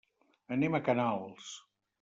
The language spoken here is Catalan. Anem a Canals.